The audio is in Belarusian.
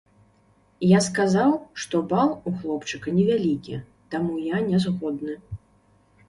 Я сказаў, што бал у хлопчыка невялікі, таму я не згодны.